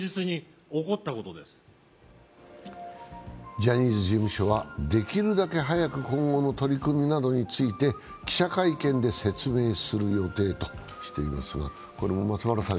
ジャニーズ事務所はできるだけ早く今後の取り組みなどについて記者会見で説明する予定としていますが。